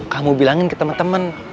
kamu bilangin ke temen temen